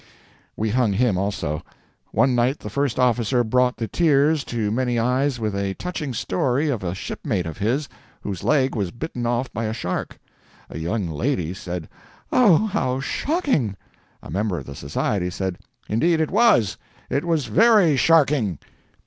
We hung him, also. One night the first officer brought the tears to many eyes with a touching story of a shipmate of his, whose leg was bitten off by a shark. A young lady said, "Oh, how shocking!" A member of the society said, "Indeed, it was—it was very sharking."